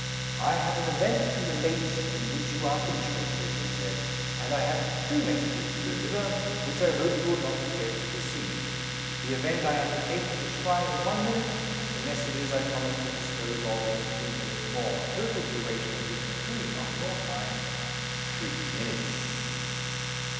"I have an event to relate in which you are interested," he said. "And I have two messages to deliver, which I hope you will not object to receive. The event I undertake to describe in one minute. The messages I promise to dispose of in two minutes more. Total duration of this intrusion on your time three minutes."